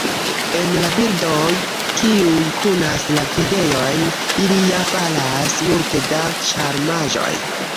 En la bildoj, kiuj kunas la videojn, ili ja faras multe da ĉarmaĵoj.